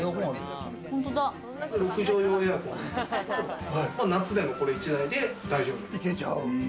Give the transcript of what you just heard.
６帖用エアコンなんですけど、夏でもこれ１台で大丈夫。